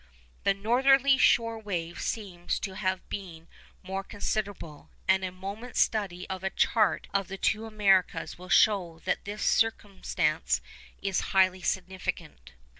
The northerly shore wave seems to have been more considerable; and a moment's study of a chart of the two Americas will show that this circumstance is highly significant.